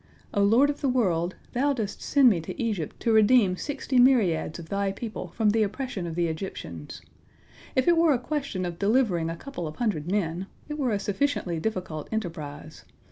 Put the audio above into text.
O Lord of the world, Thou dost send me to Egypt to redeem sixty myriads of Thy people from the oppression of the Egyptians. If it were a question of delivering a couple of hundred men, it were a sufficiently difficult enterprise.